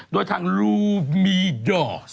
โดยทางลุมิดอ